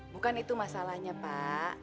bukan itu masalahnya pak